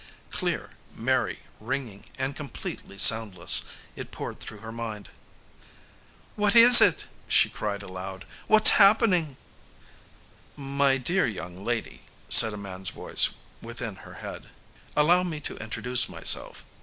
Clear, merry, ringing and completely soundless, it poured through her mind. "What is it?" she cried aloud. "What's happening?" "My dear young lady," said a man's voice within her head, "allow me to introduce myself.